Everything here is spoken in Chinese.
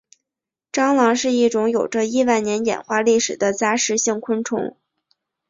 蟑螂是一种有着亿万年演化历史的杂食性昆虫。